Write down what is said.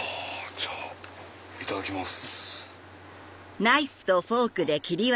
じゃあいただきます。